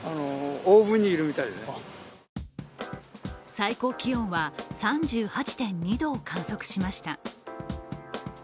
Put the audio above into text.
最高気温は３８．２度を観測しました。